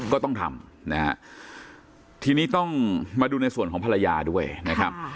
ก็ต้องทำนะฮะทีนี้ต้องมาดูในส่วนของภรรยาด้วยนะครับ